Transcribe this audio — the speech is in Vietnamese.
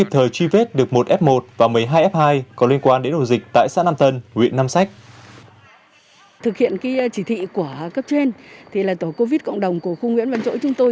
thực hiện chỉ thị của cấp trên tổ covid cộng đồng của khu nguyễn văn trỗi chúng tôi